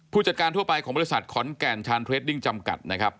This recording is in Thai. จัดการทั่วไปของบริษัทขอนแก่นชานเทรดดิ้งจำกัดนะครับ